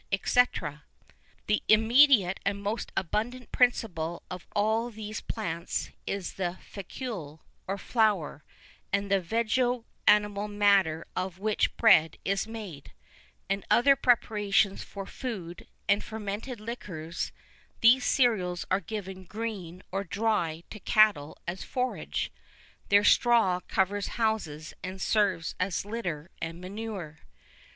&c. The immediate and most abundant principle of all these plants is the fécule, or flour, and the vegeto animal matter of which bread is made, and other preparations for food, and fermented liquors; these cereals are given green or dry to cattle as forage; their straw covers houses, and serves as litter and manure.